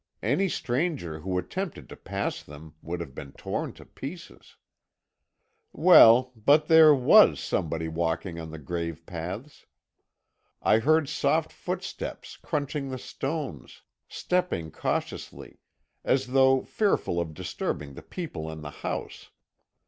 Any stranger who attempted to pass them would have been torn to pieces. "Well, but there was somebody walking on the gravelpaths! I heard soft footsteps crunching the stones, stepping cautiously, as though fearful of disturbing the people in the house.